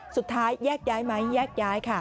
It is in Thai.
สุดท้ายแยกย้ายไหมแยกย้ายค่ะ